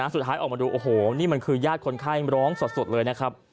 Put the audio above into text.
สุดท้ายออกมาดูโอ้โหนี่มันคือญาติคนไข้ร้องสดเลยนะครับ